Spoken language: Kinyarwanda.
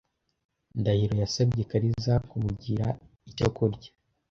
Ndahiro yasabye Kariza kumugira icyo kurya.